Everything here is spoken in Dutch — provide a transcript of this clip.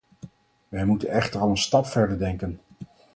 Wij moeten echter al een stap verder denken.